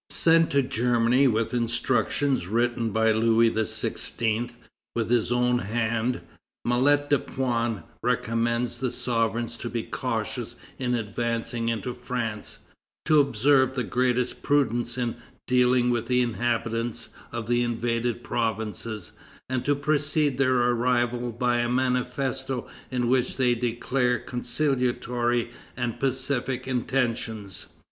Sent to Germany with instructions written by Louis XVI., with his own hand, Mallet du Pan recommends the sovereigns to be cautious in advancing into France, to observe the greatest prudence in dealing with the inhabitants of the invaded provinces, and to precede their arrival by a manifesto in which they declare conciliatory and pacific intentions.